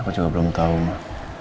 aku juga belum tahu mbak